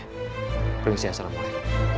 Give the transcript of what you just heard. terima kasih ya assalamualaikum